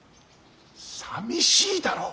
さみしいだろ！